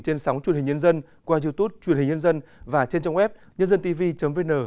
trên sóng truyền hình nhân dân qua youtube truyền hình nhân dân và trên trang web nhândântv vn